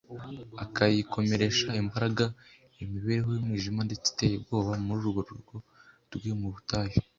, akayikomeresha imbaraga. Iyo mibereho y’umwijima ndetse iteye ubwoba muri urwo rugo rwe rwo mu butayu